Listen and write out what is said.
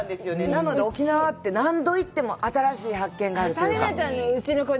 なので沖縄って何度行っても新しい発見があるというか。